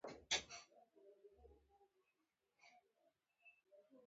تفریح د ستړیا د له منځه وړلو ښه لاره ده.